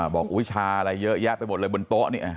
วิชาอะไรเยอะแยะไปหมดเลยบนโต๊ะนี่